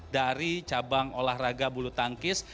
dari cabang olahraga bulu tangkis